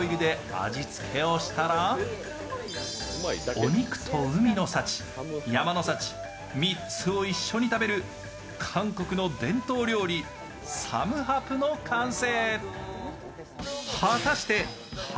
お肉と海の幸山の幸３つを一緒に食べる韓国の伝統料理、サムハプの完成！